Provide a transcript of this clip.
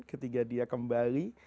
ketika dia kembali